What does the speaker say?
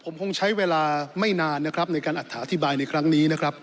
ผมคงใช้เวลาไม่นานนะครับในการอัตถาอธิบายในครั้งนี้นะครับ